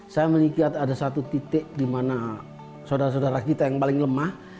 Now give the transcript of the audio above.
saya melihat ada satu titik di mana saudara saudara kita yang paling lemah